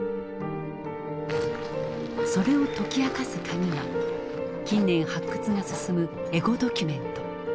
それを解き明かすカギが近年発掘が進むエゴドキュメント。